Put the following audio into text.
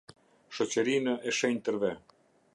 shoqërinë e shenjtërve,